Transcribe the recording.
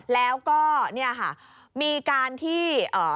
แล้วก็นี่ค่ะมีการที่